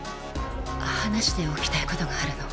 話しておきたいことがあるの。